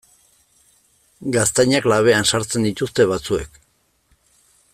Gaztainak labean sartzen dituzte batzuek.